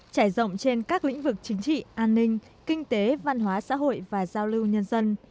trải rộng trên các lĩnh vực chính trị an ninh kinh tế văn hóa xã hội và giao lưu nhân dân